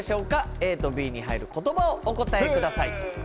ＡとＢに入る言葉をお答えください。